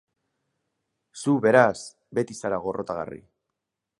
Zu, beraz, beti zara gorrotagarri.